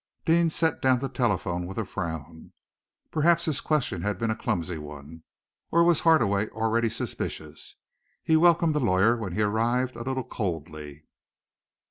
Deane set down the telephone with a frown. Perhaps his question had been a clumsy one, or was Hardaway already suspicious? He welcomed the lawyer, when he arrived, a little coldly.